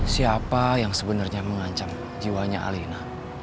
siapa yang sebenarnya mengancam jiwanya alina